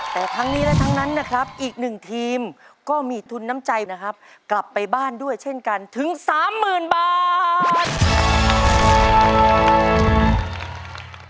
แต่ทั้งนี้และทั้งนั้นนะครับอีกหนึ่งทีมก็มีทุนน้ำใจนะครับกลับไปบ้านด้วยเช่นกันถึงสามหมื่นบาท